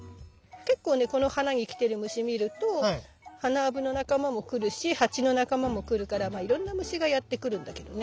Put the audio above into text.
結構ねこの花に来てる虫見るとハナアブの仲間も来るしハチの仲間も来るからいろんな虫がやって来るんだけどね。